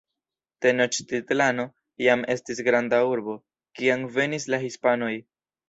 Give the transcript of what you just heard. Tenoĉtitlano jam estis granda urbo, kiam venis la Hispanoj.